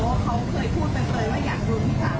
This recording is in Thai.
ว่าเขาเคยพูดเป็นเบยว่าอยากรู้ที่สาม